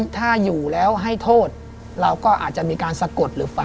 ถ้าอยู่แล้วให้โทษเราก็อาจจะมีการสะกดหรือฝัน